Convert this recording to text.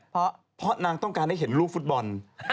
เพราะนางต้องการให้เห็นลูกฟุตบอล